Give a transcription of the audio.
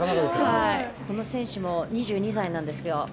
この選手も２２歳なんですよ。